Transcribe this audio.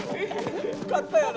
勝ったよな？